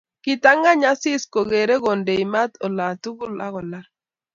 Kitangany Asisi kokerei kondei mat olatugul akolal